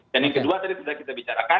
dan yang kedua tadi sudah kita bicarakan